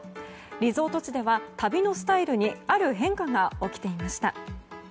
リゾート地では旅のスタイルにある変化が起きていました。